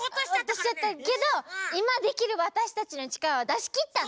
おとしちゃったけどいまできるわたしたちのちからはだしきったね。